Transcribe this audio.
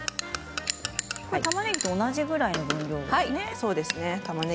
たまねぎと同じぐらいの分量ですね。